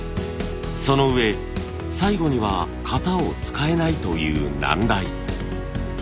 そのうえ最後には型を使えないという難題。